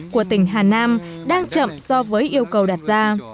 của tỉnh hà nam đang chậm so với yêu cầu đặt ra